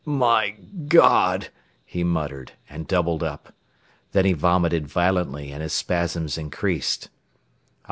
"My God!" he muttered, and doubled up. Then he vomited violently and his spasms increased.